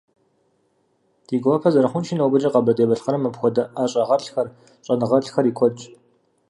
Ди гуапэ зэрыхъунщи, нобэкӀэ Къэбэрдей-Балъкъэрым апхуэдэ ӀэщӀагъэлӀхэр, щӀэныгъэлӀхэр и куэдщ.